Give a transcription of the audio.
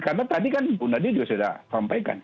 karena tadi kan bunda dio sudah sampaikan